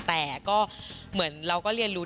แต่ที่คุณก็เรียนรู้